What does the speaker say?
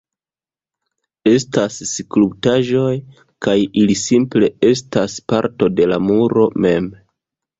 Estas skulptaĵoj kaj ili simple estas parto de la muro mem